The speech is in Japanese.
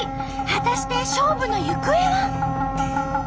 果たして勝負の行方は？